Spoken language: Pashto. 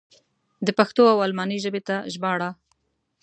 د پښتو و الماني ژبې ته ژباړه.